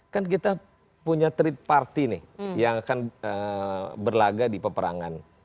kan kita punya trade party nih yang akan berlaga di peperangan